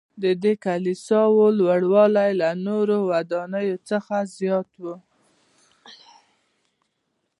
ددې کلیساوو لوړوالی له نورو ودانیو څخه زیات و.